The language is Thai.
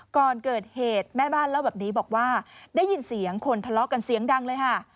ก่อนเกิดเหตุแม่บ้านเล่าแบบนี้บอกว่าได้ยินเสียงคนทะเลาะกันเสียงดังเลยค่ะ